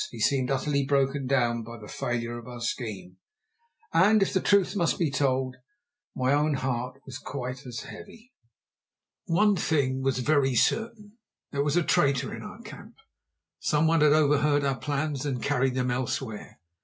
He seemed utterly broken down by the failure of our scheme, and, if the truth must be told, my own heart was quite as heavy. One thing was very certain, there was a traitor in our camp. Some one had overheard our plans and carried them elsewhere.